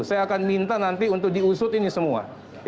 saya akan minta nanti untuk diusut ini semua